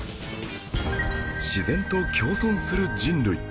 自然と共存する人類